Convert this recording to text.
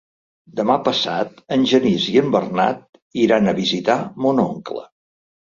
Demà passat en Genís i en Bernat iran a visitar mon oncle.